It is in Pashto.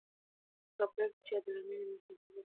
هغه پرېکړې چې عادلانه وي د مخالفت کچه راکموي